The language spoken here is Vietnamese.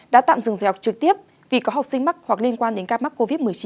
đã tạm dừng dạy học trực tiếp vì có học sinh mắc hoặc liên quan đến ca mắc covid một mươi chín